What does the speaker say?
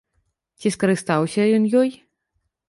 Ці скарыстаўся ён ёй?